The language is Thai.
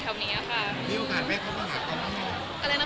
จะไปตามเจ้าเราที่ถึงตรงละท้อนเลยมั้ย